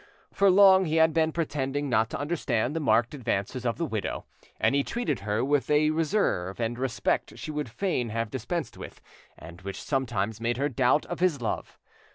For long he had been pretending not to understand the marked advances of the widow, and he treated her with a reserve and respect she would fain have dispensed with, and which sometimes made her doubt of his love.